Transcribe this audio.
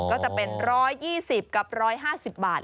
ก็จะเป็น๑๒๐กับ๑๕๐บาท